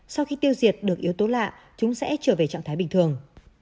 sau khi tiêu diệt được yếu tố lạ chúng sẽ trở về trạng thái bình thường